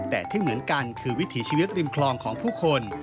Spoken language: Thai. แต่ที่เหมือนกันคือวิถีชีวิตริมคลองของผู้คน